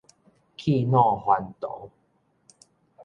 去老還童